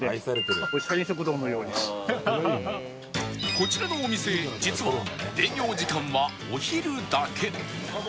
こちらのお店実は営業時間はお昼だけ